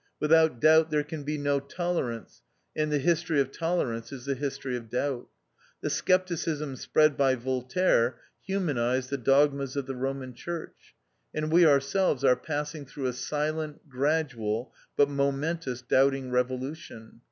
"Without doubt there can be no tolerance, and the history of tolerance is the history of doubt. The scepticism spread by Voltaire humanised the dogmas of the Roman Church ; and we ourselves are passing through a silent, gradual, but momentous doubting revolution.